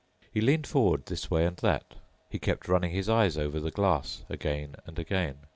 He leaned forward this way and that. He kept running his eyes over the glass again and again.